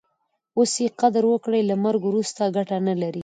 اوس ئې قدر وکړئ! له مرګ وروسته ګټه نه لري.